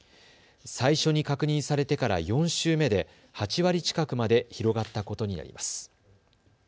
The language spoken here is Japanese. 最初に確認されてから４週目で８割近くまで広がったことになります。